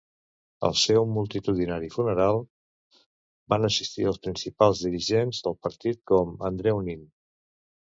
Al seu multitudinari funeral van assistir els principals dirigents del partit, com Andreu Nin.